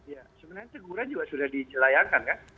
ya sebenarnya teguran juga sudah dijelayangkan kan